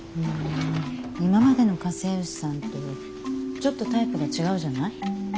今までの家政婦さんとちょっとタイプが違うじゃない？